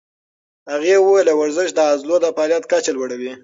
هغې وویل ورزش د عضلو د فعالیت کچه لوړوي.